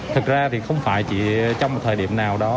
thực ra thì không phải chỉ trong một thời điểm nào đó